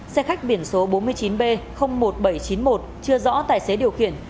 xe khách biển số bốn mươi chín b một nghìn bảy trăm chín mươi một chưa rõ tài xế điều khiển